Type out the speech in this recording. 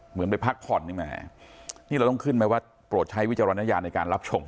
เหมือนไปพักผ่อนนี่แหมนี่เราต้องขึ้นไหมว่าโปรดใช้วิจารณญาณในการรับชม